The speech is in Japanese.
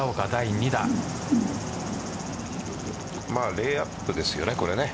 レイアップですよね、これね。